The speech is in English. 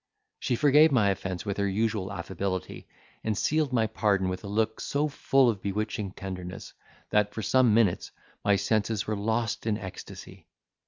She forgave my offence with her usual affability, and sealed my pardon with a look so full of bewitching tenderness, that, for some minutes, my senses were lost in ecstacy!